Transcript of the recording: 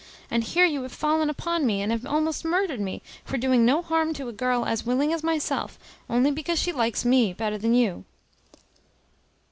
and here you have fallen upon me, and have almost murdered me, for doing no harm to a girl as willing as myself, only because she likes me better than you."